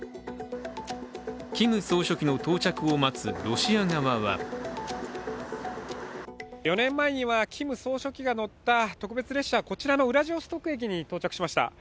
キム総書記の到着を待つロシア側は４年前にはキム総書記が乗った特別列車はこちらのウラジオストクに到着しました